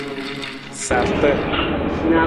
Sarta.